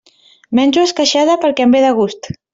Menjo esqueixada perquè em ve de gust.